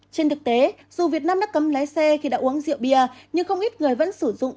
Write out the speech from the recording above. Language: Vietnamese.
trên thực tế dù việt nam đã cấm lái xe khi đã uống rượu bia nhưng không ít người vẫn sử dụng